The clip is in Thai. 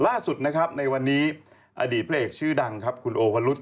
ล่าสุดในวันนี้อดีตเพลงชื่อดังคุณโอพลุธ